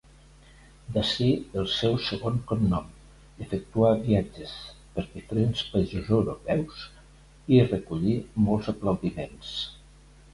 D'ací el seu segon cognom, efectuà viatges per diferents països europeus, i recollí molts aplaudiments.